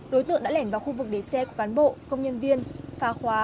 đối tượng đã lẻn vào khu vực để xe của cán bộ công nhân viên phá khóa